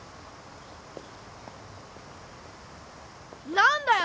何だよ